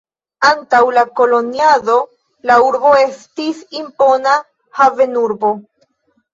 Antaŭ la koloniado la urbo estis impona havenurbo.